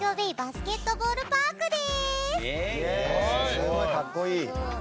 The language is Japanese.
すごいかっこいい！